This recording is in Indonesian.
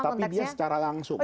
tapi dia secara langsung